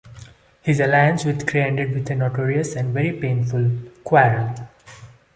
His alliance with Grey ended with a notorious and very painful quarrel.